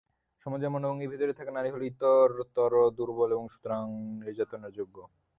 সমাজের মনোভঙ্গির ভেতরেই থাকা নারী হলো ইতরতর, দুর্বল, সুতরাং নির্যাতনের যোগ্য।